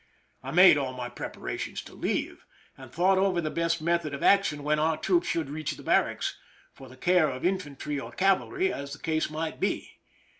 I made all my prepa rations to leave, and thought over the best method of action, when our troops should reach the baiTacks, for the care of infantry or cavalry, as the case might be.